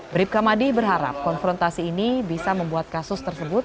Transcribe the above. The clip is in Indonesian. bribka madi berharap konfrontasi ini bisa membuat kasus tersebut